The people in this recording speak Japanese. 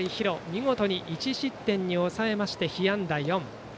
見事に１失点に抑えまして被安打４。